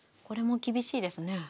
これも厳しいですね。